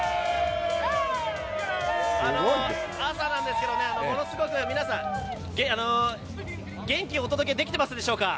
朝なんですけど、ものすごく皆さん、元気をお届けできていますでしょうか。